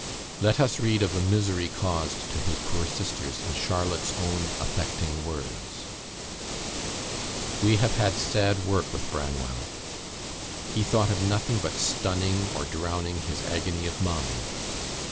Let us read of the misery caused to his poor sisters in Charlotte's own affecting words: "We have had sad work with Branwell. He thought of nothing but stunning or drowning his agony of mind.